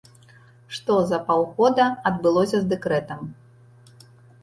Што за паўгода адбылося з дэкрэтам?